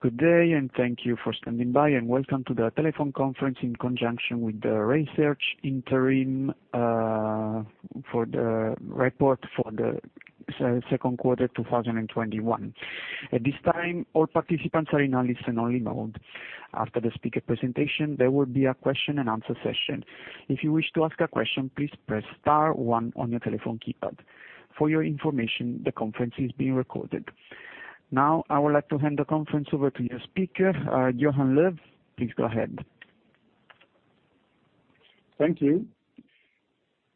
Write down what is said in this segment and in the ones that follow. Good day. Thank you for standing by, and welcome to the telephone conference in conjunction with the RaySearch interim report for the second quarter 2021. At this time, all participants are in a listen-only mode. After the speaker presentation, there will be a question and answer session. If you wish to ask a question, please press star one on your telephone keypad. For your information, the conference is being recorded. I would like to hand the conference over to your speaker, Johan Löf. Please go ahead. Thank you.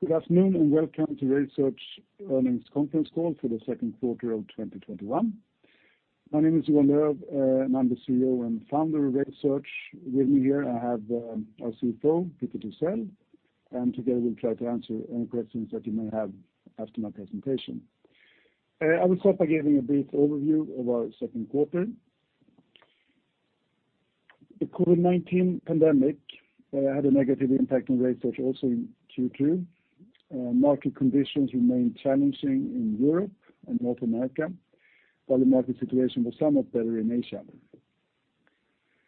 Good afternoon, and welcome to RaySearch's earnings conference call for the second quarter of 2021. My name is Johan Löf, and I'm the CEO and founder of RaySearch. With me here, I have our CFO, Peter Thysell, and together we'll try to answer any questions that you may have after my presentation. I will start by giving a brief overview of our second quarter. The COVID-19 pandemic had a negative impact on RaySearch also in Q2. Market conditions remained challenging in Europe and North America, while the market situation was somewhat better in Asia.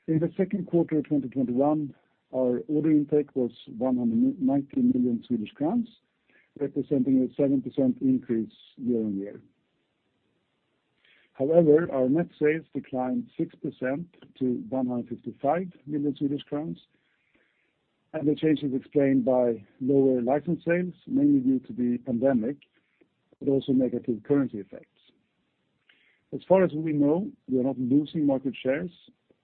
In the second quarter of 2021, our order intake was 190 million Swedish crowns, representing a 7% increase year-on-year. Our net sales declined 6% to 155 million Swedish crowns, and the change is explained by lower license sales, mainly due to the pandemic, but also negative currency effects. As far as we know, we are not losing market shares.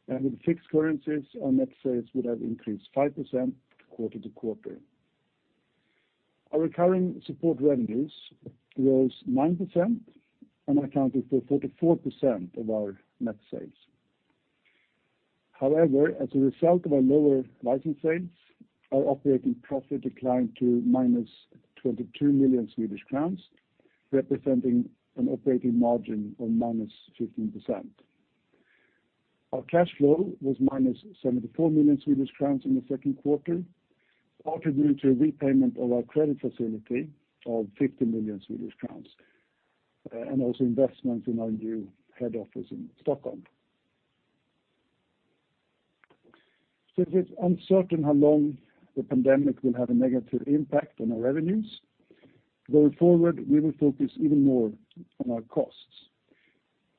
With fixed currencies, our net sales would have increased 5% quarter-to-quarter. Our recurring support revenues rose 9% and accounted for 44% of our net sales. However, as a result of our lower license rates, our operating profit declined to -22 million Swedish crowns, representing an operating margin of -15%. Our cash flow was -74 million Swedish crowns in Q2, partly due to the repayment of our credit facility of 50 million Swedish crowns, also investments in our new head office in Stockholm. Since it's uncertain how long the pandemic will have a negative impact on our revenues, going forward, we will focus even more on our costs.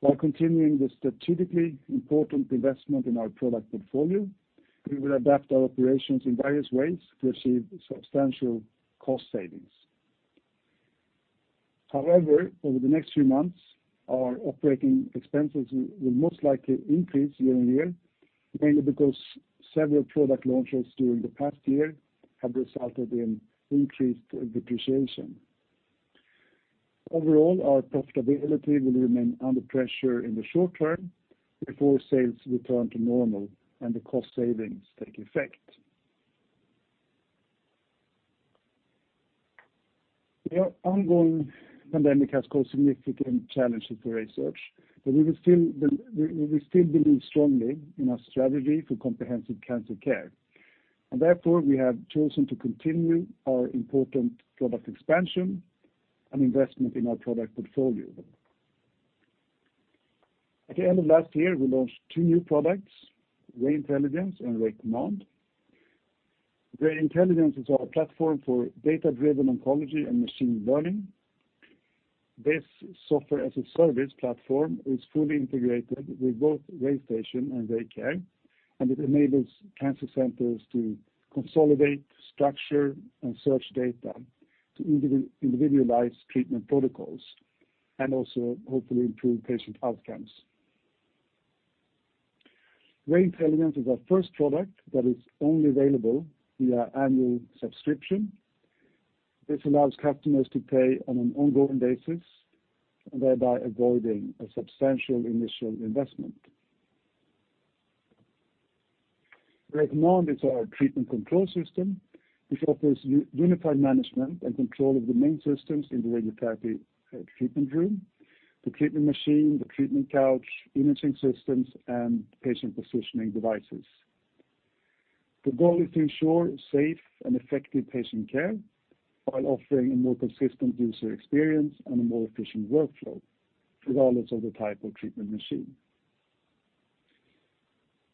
While continuing the strategically important investment in our product portfolio, we will adapt our operations in various ways to achieve substantial cost savings. However, over the next few months, our operating expenses will most likely increase year-over-year, mainly because several product launches during the past year have resulted in increased depreciation. Overall, our profitability will remain under pressure in the short term before sales return to normal and the cost savings take effect. The ongoing pandemic has caused significant challenges for RaySearch, but we still believe strongly in our strategy for comprehensive cancer care, and therefore, we have chosen to continue our important product expansion and investment in our product portfolio. At the end of last year, we launched two new products, RayIntelligence and RayCommand. RayIntelligence is our platform for data-driven oncology and machine learning. This software-as-a-service platform is fully integrated with both RayStation and RayCare, and it enables cancer centers to consolidate, structure, and search data to individualize treatment protocols and also hopefully improve patient outcomes. RayIntelligence is our first product that is only available via annual subscription. This allows customers to pay on an ongoing basis, thereby avoiding a substantial initial investment. RayCommand is our treatment control system, which offers unified management and control of the main systems in the radiotherapy treatment room, the treatment machine, the treatment couch, imaging systems, and patient positioning devices. The goal is to ensure safe and effective patient care while offering a more consistent user experience and a more efficient workflow, regardless of the type of treatment machine.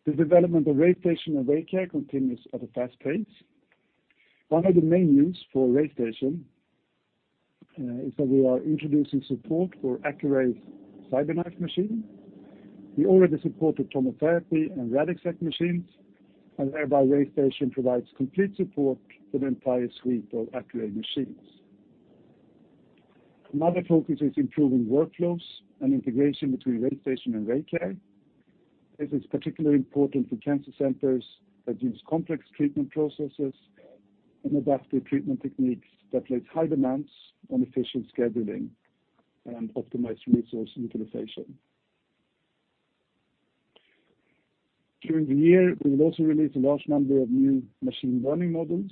The development of RayStation and RayCare continues at a fast pace. One of the main uses for RayStation is that we are introducing support for Accuray's CyberKnife machine. We already support the TomoTherapy and Radixact machines, and thereby RayStation provides complete support for the entire suite of Accuray machines. Another focus is improving workflows and integration between RayStation and RayCare. This is particularly important for cancer centers that use complex treatment processes and adaptive treatment techniques that place high demands on efficient scheduling and optimized resource utilization. During the year, we will also release a large number of new machine learning models.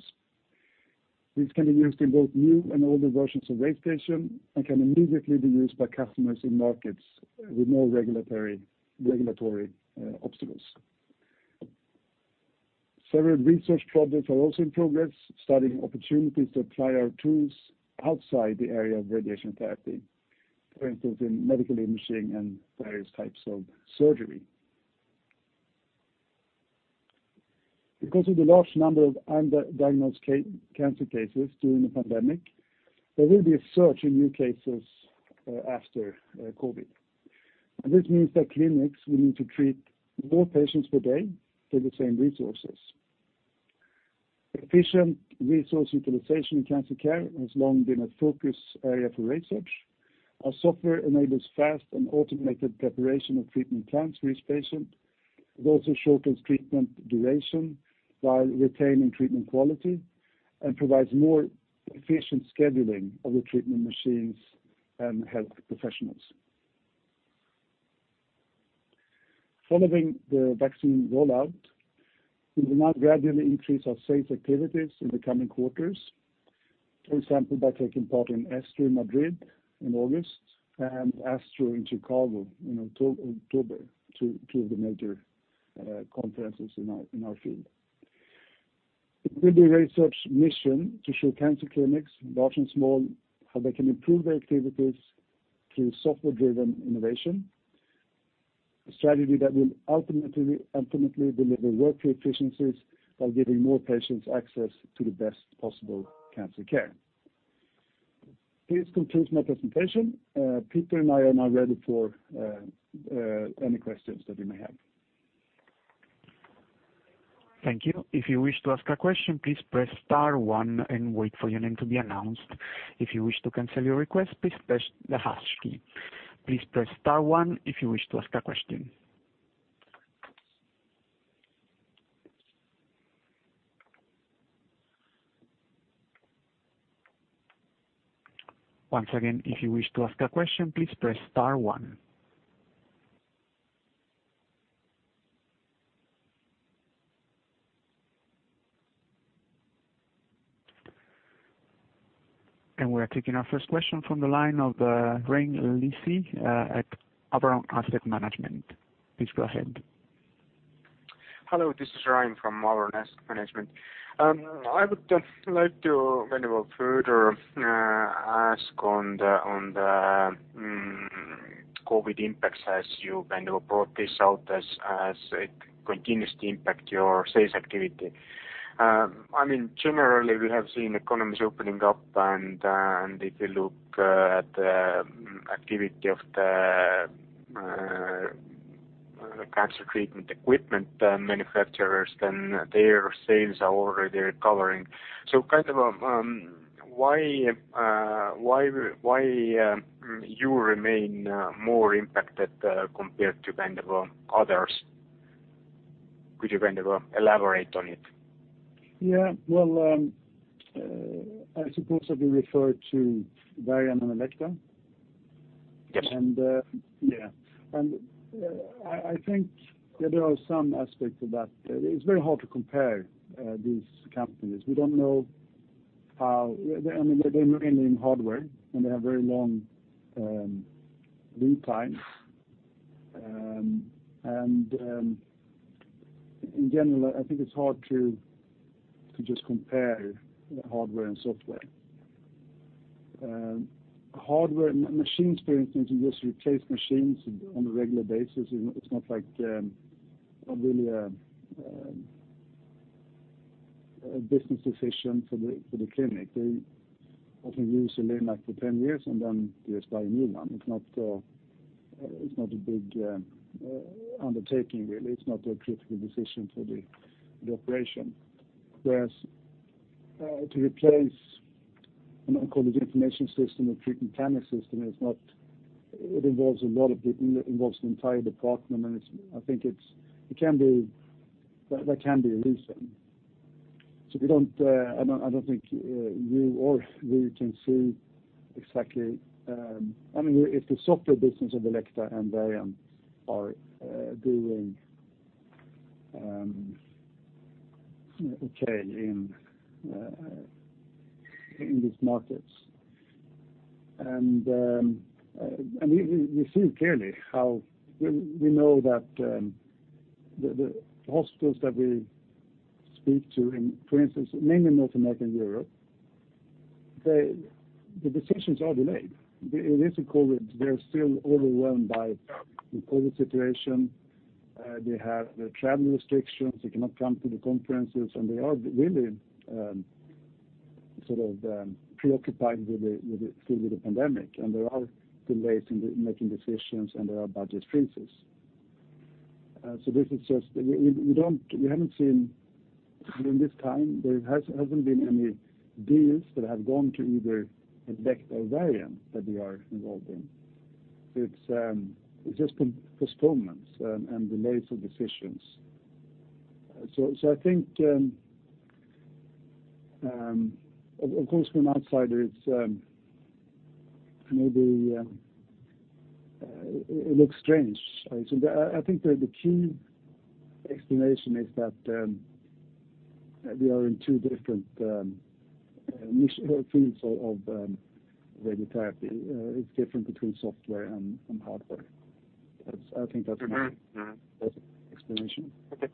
These can be used in both new and older versions of RayStation and can immediately be used by customers in markets with more regulatory obstacles. Several research projects are also in progress, studying opportunities to apply our tools outside the area of radiation therapy. For instance, in medical imaging and various types of surgery. This means that clinics will need to treat more patients per day with the same resources. Efficient resource utilization in cancer care has long been a focus area for RaySearch. Our software enables fast and automated preparation of treatment plans for each patient. It also shortens treatment duration while retaining treatment quality and provides more efficient scheduling of the treatment machines and health professionals. Following the vaccine rollout, we will now gradually increase our sales activities in the coming quarters. For example, by taking part in ESTRO Madrid in August and ASTRO in Chicago in October, two of the major conferences in our field. It will be RaySearch's mission to show cancer clinics, large and small, how they can improve their activities through software-driven innovation, a strategy that will ultimately deliver workflow efficiencies while giving more patients access to the best possible cancer care. This concludes my presentation. Peter and I are now ready for any questions that you may have. Thank you. If you wish to ask a question, please press star one and wait for your name to be announced. If you wish to cancel your request, please press the hash key. Please press star one if you wish to ask a question. Once again, if you wish to ask a question, please press star one. We're taking our first question from the line of Rain Leesi at Avaron Asset Management. Please go ahead. Hello, this is Rain from Avaron Asset Management. I would like to maybe well further ask on the COVID impacts as you brought this out as it continues to impact your sales activity. Generally, we have seen economies opening up and if you look at the activity of the cancer treatment equipment manufacturers, then their sales are already recovering. Why do you remain more impacted compared to others? Could you elaborate on it? Well, I suppose that you refer to Varian and Elekta. Yes. I think that there are some aspects of that. It's very hard to compare these companies. They mainly in hardware, and they have very long lead times. In general, I think it's hard to just compare hardware and software. Hardware and machine experience: you need to just replace machines on a regular basis. It's not really a business decision for the clinic. They often use a LINAC for 10 years, and then they just buy a new one. It's not a big undertaking, really. It's not a critical decision for the operation. Whereas to replace an oncology information system, a treatment planning system, it involves an entire department, and that can be a reason. I don't think you or we can see exactly if the software business of Elekta and Varian are doing okay in these markets. We see clearly how we know that the hospitals that we speak to, for instance, mainly in North America and Europe, the decisions are delayed. It isn't COVID-19. They're still overwhelmed by the COVID-19 situation. They have the travel restrictions. They cannot come to the conferences. They are really preoccupied still with the pandemic. There are delays in making decisions, and there are budget freezes. During this time, there hasn't been any deals that have gone to either Elekta or Varian that we are involved in. It's just postponements and delays of decisions. I think, of course, from an outsider, maybe it looks strange. I think that the key explanation is that we are in two different fields of radiotherapy. It's different between software and hardware. I think that's my best explanation. Okay.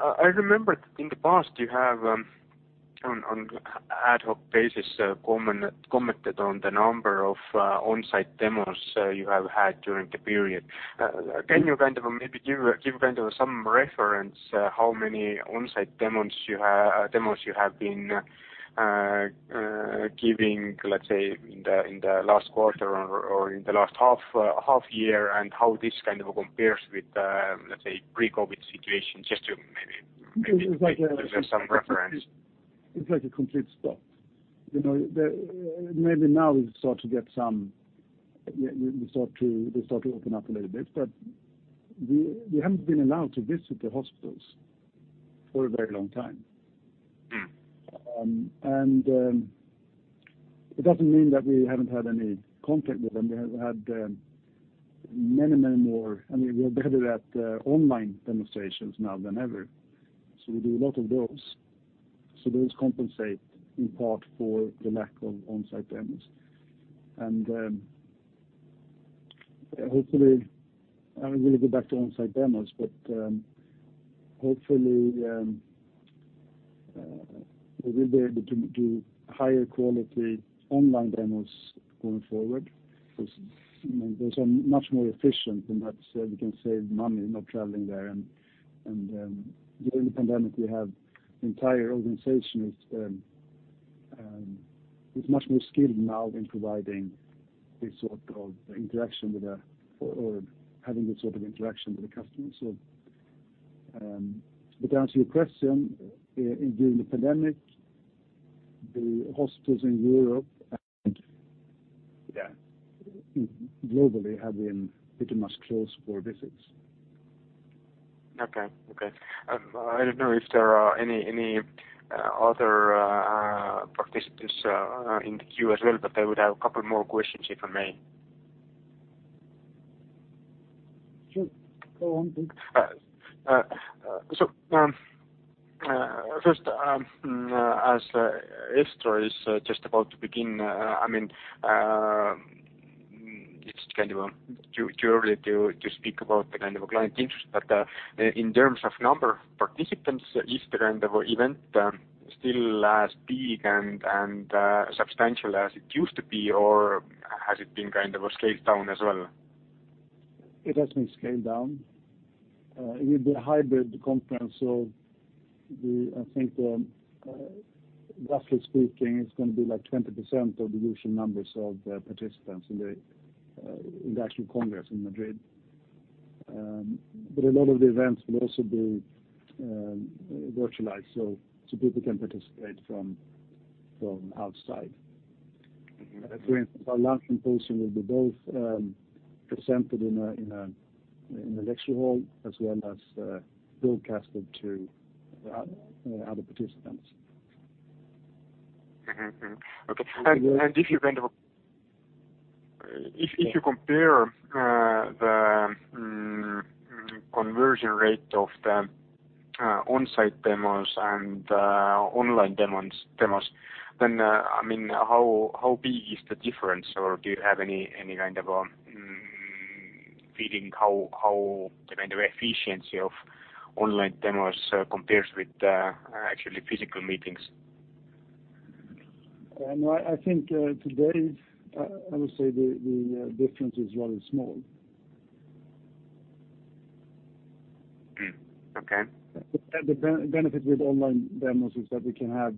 I remember in the past, you have on ad hoc basis, commented on the number of on-site demos you have had during the period. Can you maybe give some reference how many on-site demos you have been giving, let's say in the last quarter or in the last half year, and how this compares with, let's say pre-COVID situation, just to maybe give some reference? It's like a complete stop. Maybe now we start to open up a little bit, but we haven't been allowed to visit the hospitals for a very long time. It doesn't mean that we haven't had any contact with them. We have had many more. We are better at online demonstrations now than ever. We do a lot of those. Those compensate in part for the lack of on-site demos. Hopefully, we will get back to on-site demos, but hopefully, we will be able to do higher-quality online demos going forward, because those are much more efficient and we can save money not traveling there. During the pandemic, the entire organization is much more skilled now in providing this sort of interaction or having this sort of interaction with the customer. But to answer your question, during the pandemic, the hospitals in Europe and globally have been pretty much closed for visits. Okay. I don't know if there are any other participants in the queue as well, but I would have a couple more questions, if I may. Sure. Go on, please. First, as ESTRO is just about to begin, it's too early to speak about the kind of client interest. In terms of number of participants, ESTRO event still as big and substantial as it used to be, or has it been scaled down as well? It has been scaled down. It will be a hybrid conference, so I think, roughly speaking, it's going to be like 20% of the usual numbers of participants in the actual congress in Madrid. A lot of the events will also be virtualized, so people can participate from outside. For instance, our launching poster will be both presented in a lecture hall as well as broadcasted to other participants. Okay. If you compare the conversion rate of the on-site demos and online demos, then how big is the difference? Do you have any kind of feeling how the efficiency of online demos compares with actual physical meetings? No, I think today, I would say the difference is rather small Okay. The benefit with online demos is that we do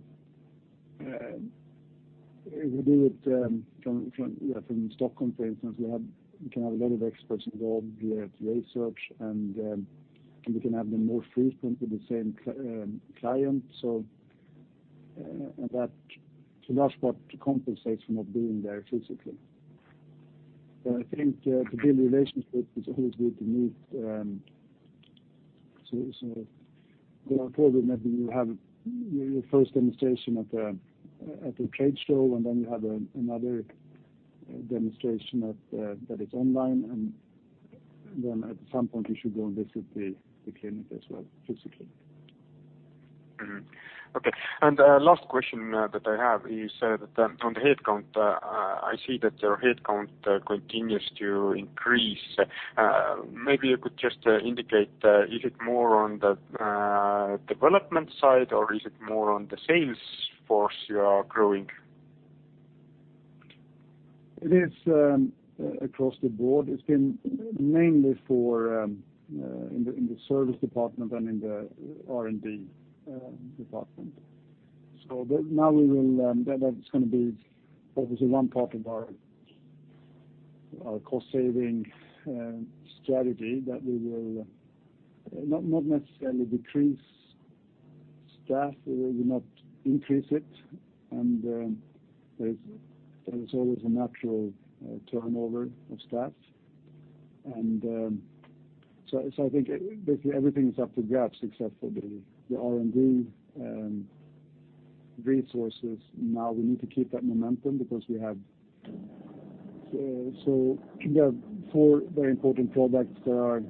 it from Stockholm, for instance. We can have a lot of experts involved via research, and we can have them more frequently with the same client. That's what compensates for not being there physically. I think to build relationships, it's always good to meet. Probably maybe you have your first demonstration at the trade show, and then you have another demonstration that is online, and then, at some point, you should go and visit the clinic as well, physically. Last question that I have is on the headcount. I see that your headcount continues to increase. Maybe you could just indicate, is it more on the development side, or is it more on the sales force you are growing? It is across the board. It's been mainly in the service department and in the R&D department. Now that's going to be obviously one part of our cost-saving strategy that we will not necessarily decrease staff, we will not increase it, and there's always a natural turnover of staff. I think basically everything is up to gaps except for the R&D resources. Now we need to keep that momentum because we have four very important products that are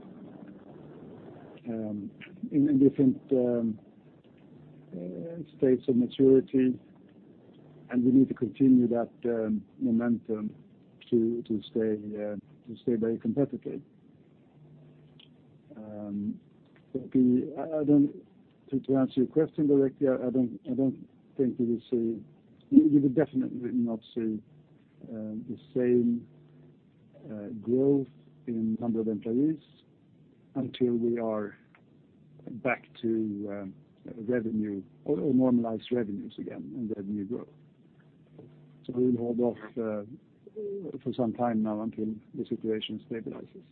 in different states of maturity, and we need to continue that momentum to stay very competitive. To answer your question directly, I don't think you will see, you will definitely not see, the same growth in number of employees until we are back to normalized revenues again and then new growth. We will hold off for some time now until the situation stabilizes.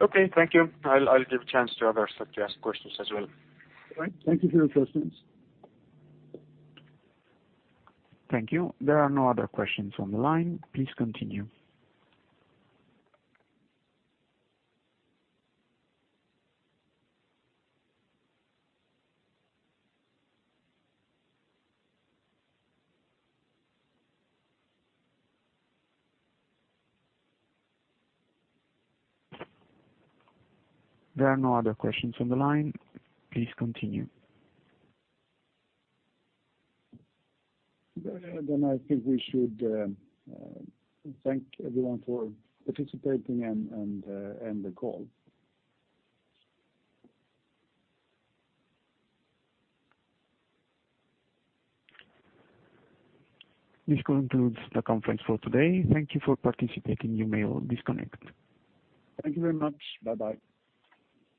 Okay, thank you. I'll give a chance to others to ask questions as well. All right. Thank you for your questions. Thank you. There are no other questions on the line. Please continue. There are no other questions on the line. Please continue. I think we should thank everyone for participating and end the call. This concludes the conference for today. Thank you for participating. You may all disconnect. Thank you very much. Bye-bye.